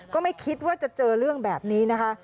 ก็ไม่คิดว่าจะเจอเรื่องแบบนี้นะคะ